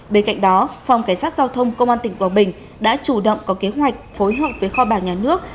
bên cạnh đó phòng cảnh sát giao thông công an tỉnh quảng bình đã chủ động có kế hoạch phối hợp với kho bạc nhà nước